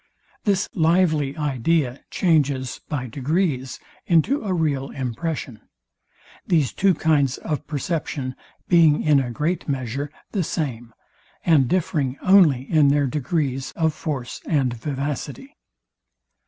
This lively idea changes by degrees into a real impression; these two kinds of perception being in a great measure the same, and differing only in their degrees of force and vivacity.